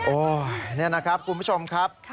โอ๊ยนี่นะครับผู้ชมครับ